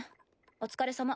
お疲れさま。